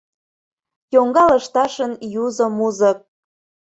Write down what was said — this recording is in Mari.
Йоҥга лышташын юзо музык.